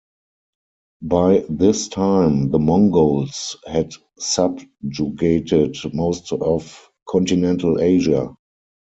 By this time the Mongols had subjugated most of continental Asia.